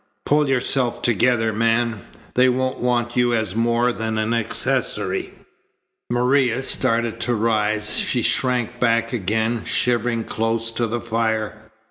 "Pull yourself together, man. They won't want you as more than an accessory." Maria started to rise. She shrank back again, shivering close to the fire.